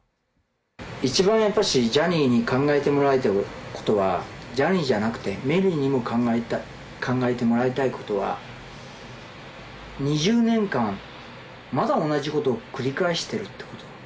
一番やっぱり、ジャニーに考えてもらいたいことは、ジャニーじゃなくて、メリーにも考えてもらいたいことは、２０年間、まだ同じことを繰り返してるってこと。